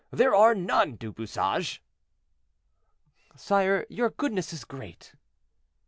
There are none, Du Bouchage." "Sire, your goodness is great."